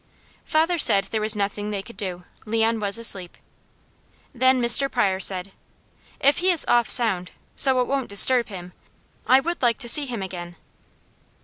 Father said there was nothing they could do; Leon was asleep. Then Mr. Pryor said: "If he is off sound, so it won't disturb him, I would like to see him again."